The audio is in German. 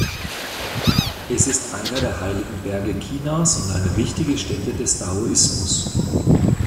Es ist einer der heiligen Berge Chinas und eine wichtige Stätte des Daoismus.